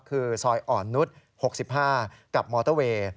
คือซอยอ่อนนุษย์๖๕กับมอเตอร์เวย์